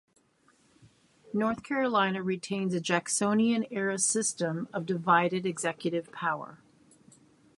North Carolina retains a Jacksonian-era system of divided executive power.